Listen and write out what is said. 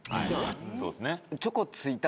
そうですね。